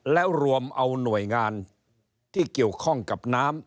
แล้วรวมเอาหน่วยงานที่เกี่ยวข้องกับน้ำ